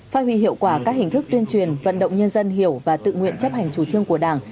phát huy hiệu quả các hình thức tuyên truyền vận động nhân dân hiểu và tự nguyện chấp hành chủ trương của đảng